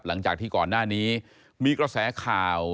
หลังจากที่ก่อนหน้านี้มีกระแสข่าว